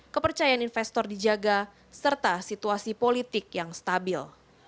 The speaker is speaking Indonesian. kepercayaan investor dijaga serta situasi politik yang stabil